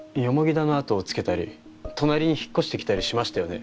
田の後をつけたり隣に引っ越してきたりしましたよね。